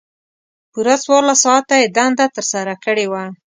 پوره څوارلس ساعته یې دنده ترسره کړې وه.